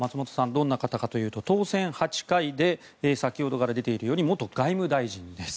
どんな方かというと、当選８回で先ほどから出ているように元外務大臣です。